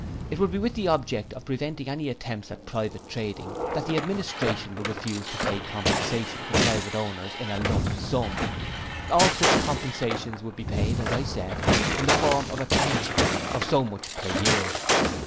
It would be with the object of preventing any attempts at private trading that the Administration would refuse to pay compensation to private owners in a lump sum. All such compensations would be paid, as I said, in the form of a pension of so much per year.